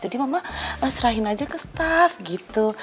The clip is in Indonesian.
jadi mama serahin aja ke staff gitu